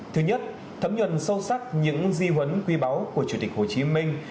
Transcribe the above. thứ nhất thấm nhuận sâu sắc những di huấn quy báo của chủ tịch hồ chí minh